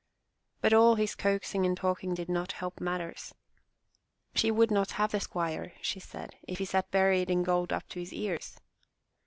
But all his coaxing and talking did not help matters. She would not have the squire, she said, if he sat buried in gold up to his ears.